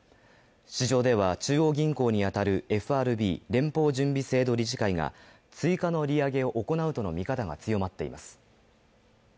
市場では中央銀行に当たるＦＲＢ＝連邦準備制度理事会が追加の利上げを行うとの見方が強まっています。